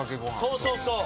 そうそうそう。